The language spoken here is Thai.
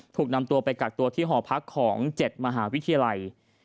ถูกนำตัวไปกักตัวที่หอพักของ๗มหาวิทยาลัย